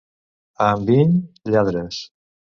A Enviny, lladres.